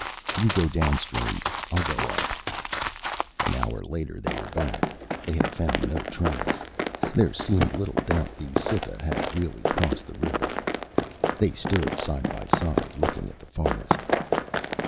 You go downstream. I'll go up." An hour later, they were back. They had found no tracks. There seemed little doubt the Cytha had really crossed the river. They stood side by side, looking at the forest.